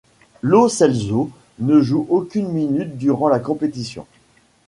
Lo Celso ne joue aucune minute durant la compétition.